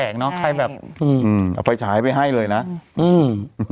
นะเฉยแบบอืมอาคาไศให้ไปให้เลยนะอืม